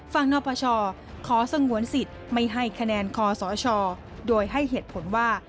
นปชขอสงวนสิทธิ์ไม่ให้คะแนนคอสชโดยให้เหตุผลว่า